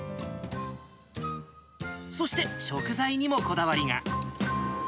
そして、食材にもこだわりが。